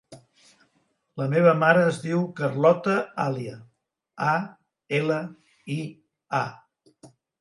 La meva mare es diu Carlota Alia: a, ela, i, a.